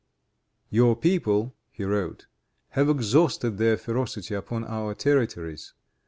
"Your people," he wrote, "have exhausted their ferocity upon our territories.